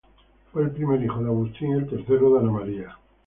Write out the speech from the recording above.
Fue el primer hijo de Agustín y el tercero de Ana María.